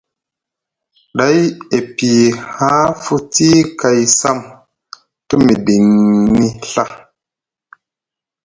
Ɗay e piyi haa futi kay sam te miɗiŋni Ɵa.